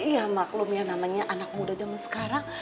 iya maklum ya namanya anak muda zaman sekarang